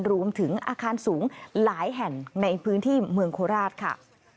รวมถึงอาคารสูงหลายแห่งในพื้นที่เมืองโคราชค่ะ